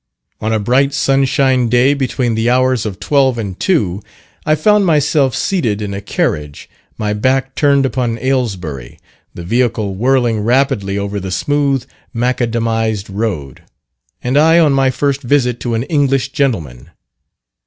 On a bright sunshine day, between the hours of twelve and two, I found myself seated in a carriage, my back turned upon Aylesbury, the vehicle whirling rapidly over the smooth macadamised road, and I on my first visit to an English gentleman.